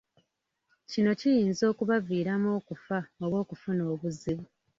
Kino kiyinza okubaviiramu okufa oba okufuna obuzibu.